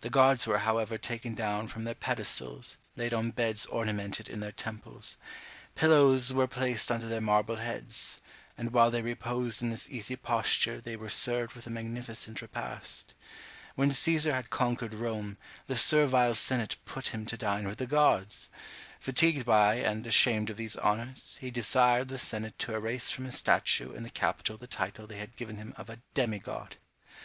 The gods were however taken down from their pedestals, laid on beds ornamented in their temples; pillows were placed under their marble heads; and while they reposed in this easy posture they were served with a magnificent repast. When Cæsar had conquered Rome, the servile senate put him to dine with the gods! Fatigued by and ashamed of these honours, he desired the senate to erase from his statue in the capitol the title they had given him of a demi god!